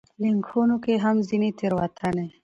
ليکنښو کې هم ځينې تېروتنې